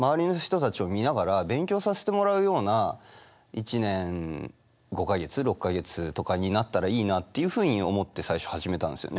１年５か月６か月とかになったらいいなっていうふうに思って最初始めたんですよね。